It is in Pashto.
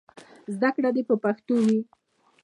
زدهکړې دې په پښتو وي.